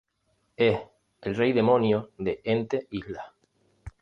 Es el Rey Demonio de Ente Isla.